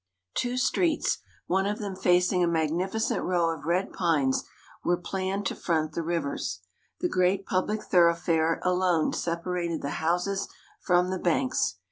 Two streets, one of them facing a magnificent row of red pines, were planned to front the rivers. The great public thoroughfare alone separated the houses from the banks.